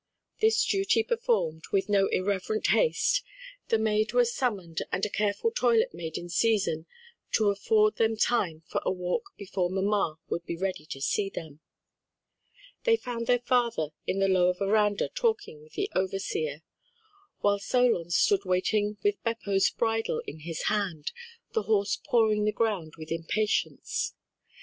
This duty performed with no irreverent haste, the maid was summoned and a careful toilet made in season to afford them time for a walk before mamma would be ready to see them. They found their father in the lower veranda talking with the overseer, while Solon stood waiting with Beppo's bridle in his hand, the horse pawing the ground with impatience.